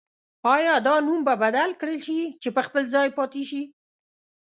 آیا دا نوم به بدل کړل شي که په خپل ځای پاتې شي؟